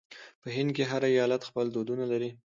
په هند کې هر ایالت خپل دودونه لري.